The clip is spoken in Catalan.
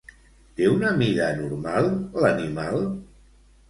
Té una mida normal l'animal?